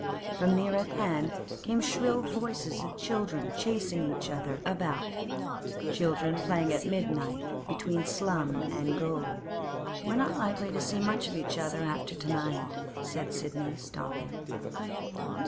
From near at hand came shrill voices of children chasing each other about—children playing at midnight between slum and gaol! 'We're not likely to see much of each other after to night,' said Sidney, stopping.